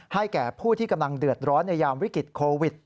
แก่ผู้ที่กำลังเดือดร้อนในยามวิกฤตโควิด